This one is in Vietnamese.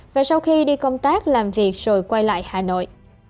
và sau khi đi công tác làm việc rồi quay lại hà nội